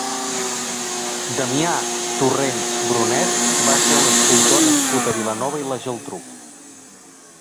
Damià Torrents Brunet va ser un escultor nascut a Vilanova i la Geltrú.